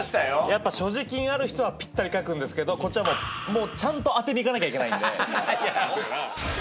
やっぱ所持金ある人はぴったり書くんですけどこっちはちゃんと当てにいかなきゃいけないんで。